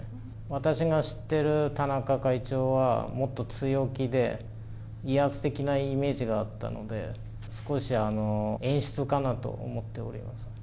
私が知ってる田中会長は、もっと強気で、威圧的なイメージがあったので、少し演出家なと思っております。